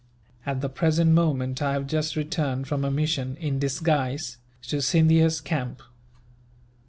"At the present moment I have just returned from a mission, in disguise, to Scindia's camp.